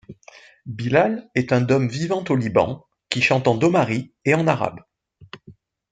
Bilal est un Dom vivant au Liban, qui chante en domari et en arabe.